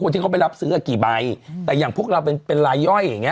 ที่เขาไปรับซื้ออ่ะกี่ใบแต่อย่างพวกเราเป็นเป็นรายย่อยอย่างเง